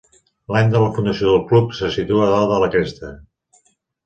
L'any de la fundació del club se situa a dalt de la cresta.